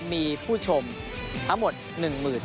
มีผู้ชมทั้งหมด